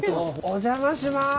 お邪魔します。